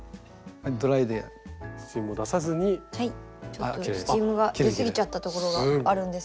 ちょっとスチームが出過ぎちゃったところがあるんですけど。